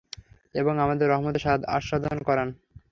এবং আপনার রহমতের স্বাদ আস্বাদন করান!